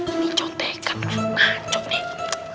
ini nyantekan kok ngacok nih